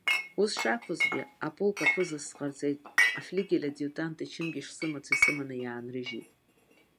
Ус шакәызгьы, аполк аԥызас сҟарҵеит, афлигель-адиутант ичынгьы шсымац исыманы иаанрыжьит.